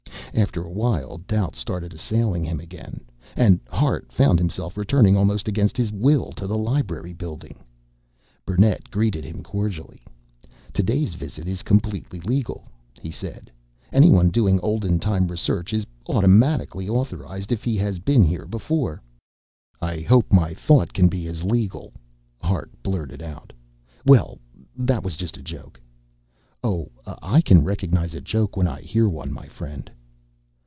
After a while doubt started assailing him again, and Hart found himself returning almost against his will to the Library Building. Burnett greeted him cordially. "To day's visit is completely legal," he said. "Anyone doing olden time research is automatically authorized if he has been here before." "I hope my thought can be as legal," Hart blurted out. "Well that was just a joke." "Oh, I can recognize a joke when I hear one, my friend."